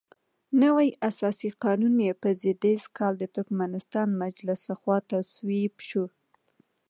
نوی اساسي قانون یې په زېږدیز کال د ترکمنستان مجلس لخوا تصویب شو.